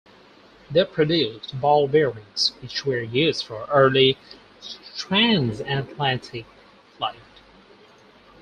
They produced ball bearings which were used for early transatlantic flight.